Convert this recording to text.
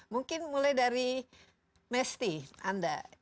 mungkin mulai dari mesty anda